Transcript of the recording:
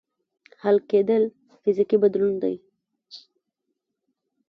حل کېدل فزیکي بدلون دی.